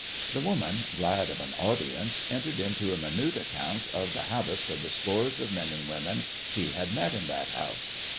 The woman, glad of an audience, entered into a minute account of the habits of the scores of men and women she had met in that house.